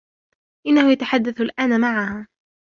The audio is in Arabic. إنه يتحدث الأن معها.